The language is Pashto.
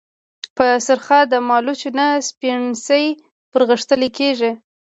په سرخه د مالوچو نه سپڼسي پرغښتلي كېږي۔